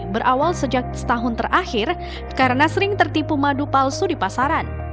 berawal sejak setahun terakhir karena sering tertipu madu palsu di pasaran